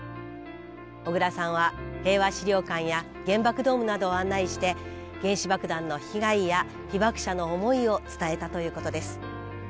小倉さんは平和資料館や原爆ドームなどを案内して原子爆弾の被害や被爆者の思いを伝えたということです。